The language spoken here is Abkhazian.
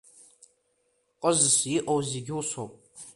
Ҟызс иҟоу зегьы усоуп.